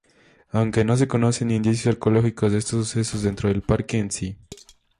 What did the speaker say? Aunque no se conocen indicios arqueológicos de estos sucesos dentro del parque en si.